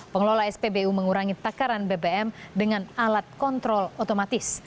pengelola spbu mengurangi takaran bbm dengan alat kontrol otomatis